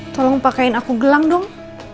tolong pakaiin aku gelang dong